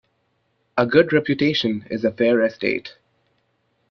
A good reputation is a fair estate.